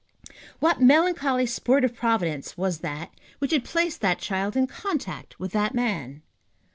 What melancholy sport of Providence was that which had placed that child in contact with that man?